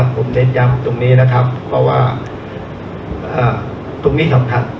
ผมเน็ตยังตรงนี้นะครับตรงนี้สำคัญ